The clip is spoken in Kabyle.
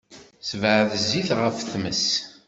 Sebɛed zzit ɣef tmes.